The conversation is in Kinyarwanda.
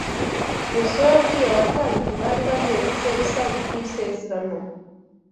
Yosuwa yabwiye abatambyi bari bahetse isanduku y’isezerano